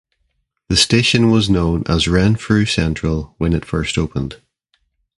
The station was known as Renfrew Central when it first opened.